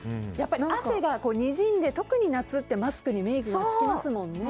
汗がにじんで、特に夏ってマスクにメイクがつきますもんね。